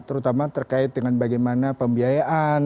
terutama terkait dengan bagaimana pembiayaan